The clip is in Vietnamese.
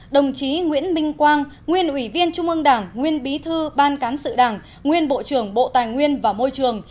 đồng chí nguyễn minh quang nguyên ủy viên trung ương đảng nguyên bí thư ban cán sự đảng nguyên bộ trưởng bộ tài nguyên và môi trường